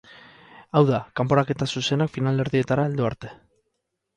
Hau da, kanporaketa zuzenak finalerdietara heldu arte.